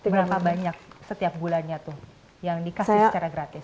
berapa banyak setiap bulannya tuh yang dikasih secara gratis